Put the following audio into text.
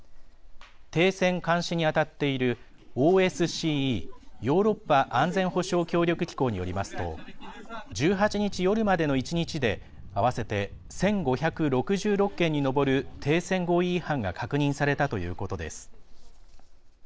停戦監視に当たっているＯＳＣＥ＝ヨーロッパ安全保障協力機構によりますと１８日夜までの１日で合わせて１５６６件に上る停戦合意違反が確認されたということです。